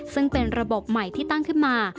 ซึ่งเป็นระบบใหม่ที่ตั้งขึ้นมา